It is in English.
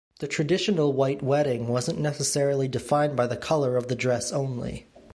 The traditional white wedding wasn't necessarily defined by the color of the dress only.